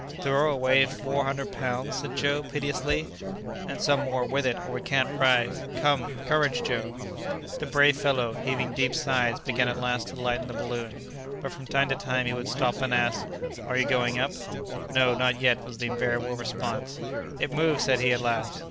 "Throw away four hundred pounds!" said Joe, piteously. "And some more with it, or we can't rise. Come, courage, Joe!" The brave fellow, heaving deep sighs, began at last to lighten the balloon; but, from time to time, he would stop, and ask: "Are you going up?" "No, not yet," was the invariable response. "It moves!" said he, at last.